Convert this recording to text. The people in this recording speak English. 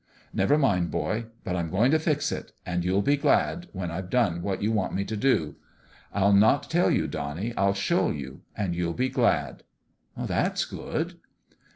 " Never mind, boy ! But I'm going to fix it. And you'll be glad when I've done what you want me to do. I'll not tell you, Donnie. I'll show you ! And you'll be glad." " That's good."